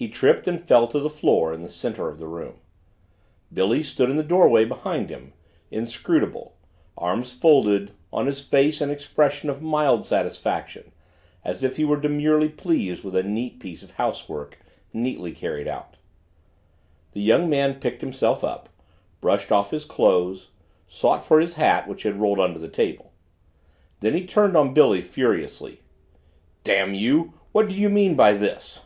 He tripped and fell to the floor in the center of the room. Billy stood in the doorway behind him, inscrutable, arms folded, on his face an expression of mild satisfaction as if he were demurely pleased with a neat piece of housework, neatly carried out. The young man picked himself up, brushed off his clothes, sought for his hat, which had rolled under the table. Then he turned on Billy furiously. "Damn you what do you mean by this?"